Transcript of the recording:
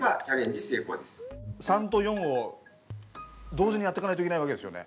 ３と４を同時にやっていかないといけないわけですよね。